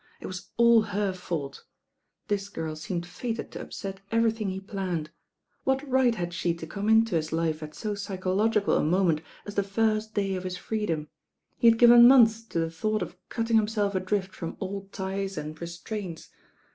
It was all her fault. This girl seemed fated to upset everything he planned. What right had she to come into his life at so psychological a moment as the first day of his freedom? He had given months to the thought of cuttmg himself adrift from old ties and restraints.